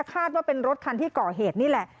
คาดว่าเป็นรถคันที่ก่อเหตุนี่แหละ